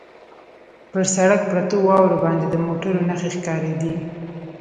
پر سړک پرتو واورو باندې د موټرو نښې ښکارېدې.